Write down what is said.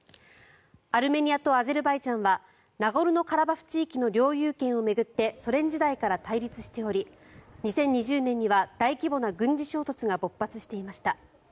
アルメニアとアゼルバイジャンはナゴルノカラバフ地域の領有権を巡ってソ連時代から対立しており２０２０年には大規模な軍事衝突が勃発していました。